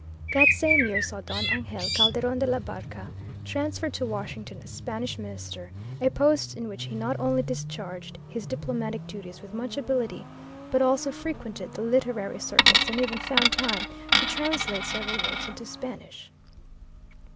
That same year saw Don Angel Calderon de la Barca transferred to Washington as Spanish Minister, a post in which he not only discharged his diplomatic duties with much ability, but also frequented the literary circles and even found time to translate several works into Spanish.